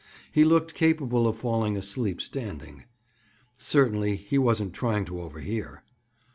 He looked capable of falling asleep standing. Certainly he wasn't trying to overhear.